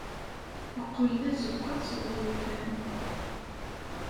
Yeqqel d azewwaɣ seg wurfan.